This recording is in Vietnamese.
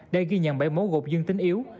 đây ghi nhận bảy mối gột dương tính yếu